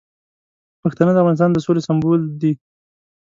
پښتانه د افغانستان د سولې سمبول دي.